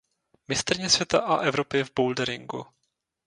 Mistryně světa a Evropy v boulderingu.